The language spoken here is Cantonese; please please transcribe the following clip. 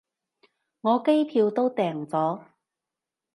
我機票都訂咗